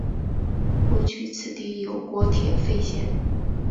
过去此地有国铁废线。